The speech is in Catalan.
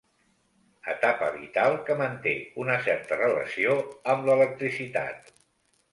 Etapa vital que manté una certa relació amb l'electricitat.